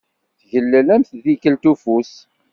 Tgellel, am tdikelt ufus.